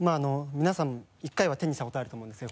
皆さん１回は手にしたことあると思うんですよ。